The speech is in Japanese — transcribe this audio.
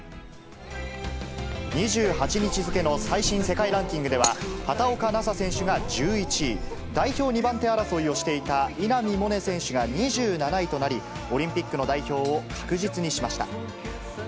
２８日付の最新世界ランキングでは、畑岡奈紗選手が１１位、代表２番手争いをしていた稲見萌寧選手が２７位となり、オリンピックの代表を確実にしました。